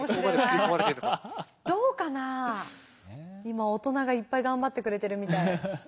今大人がいっぱい頑張ってくれてるみたい。